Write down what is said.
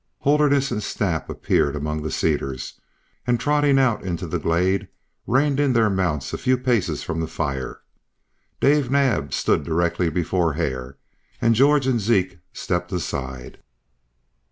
Holderness and Snap appeared among the cedars, and trotting out into the glade reined in their mounts a few paces from the fire. Dave Naab stood directly before Hare, and George and Zeke stepped aside.